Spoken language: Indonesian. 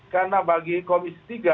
karena bagi komisi tiga